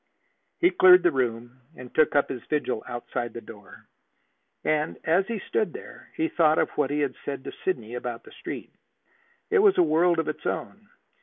He cleared the room, and took up his vigil outside the door. And, as he stood there, he thought of what he had said to Sidney about the Street. It was a world of its own.